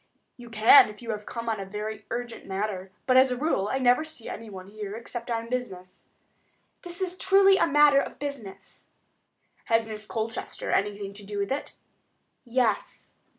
"You can, if you have come on a very urgent matter; but, as a rule, I never see anyone here except on business." "This is truly a matter of business." "Has Miss Colchester anything to do with it?" "Yes."